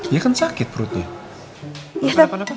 ya kan sakit perutnya